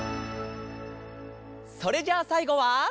それじゃあさいごは。